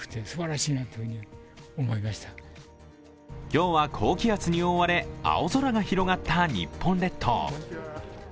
今日は高気圧に覆われ青空が広がった日本列島。